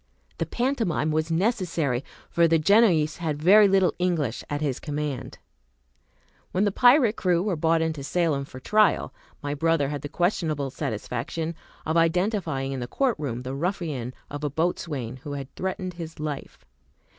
The pantomime was necessary, for the Genoese had very little English at his command. When the pirate crew were brought into Salem for trial, my brother had the questionable satisfaction of identifying in the court room the ruffian of a boatswain who had threatened his life.